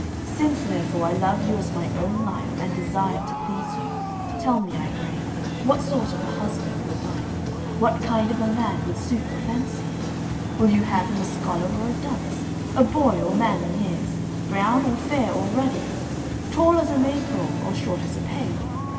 Since, therefore, I love you as my own life and desire to please you, tell me, I pray, what sort of a husband you would like, what kind of a man would suit your fancy? Will you have him a scholar or a dunce? a boy, or man in years? brown or fair or ruddy? tall as a maypole or short as a peg?